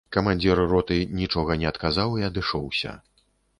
Камандзір роты нічога не адказаў і адышоўся.